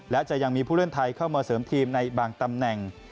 และจะยังมีผู้เล่นไทยเข้ามาเสริมทีมในบางตำแหน่ง